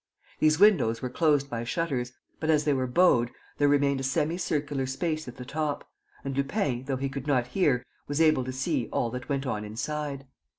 These windows were closed by shutters; but, as they were bowed, there remained a semi circular space at the top; and Lupin, though he could not hear, was able to see all that went on inside.